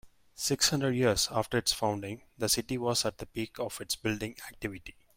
Six hundred years after its founding, the city was at the peak of its building activity.